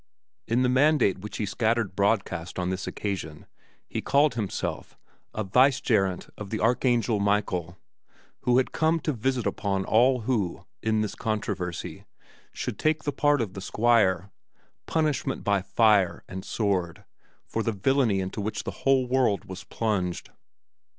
In the mandate which he scattered broadcast on this occasion he called himself "a vicegerent of the archangel Michael who had come to visit upon all who, in this controversy, should take the part of the Squire, punishment by fire and sword for the villainy into which the whole world was plunged."